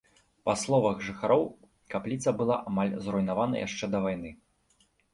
Па словах жыхароў, капліца была амаль зруйнавана яшчэ да вайны.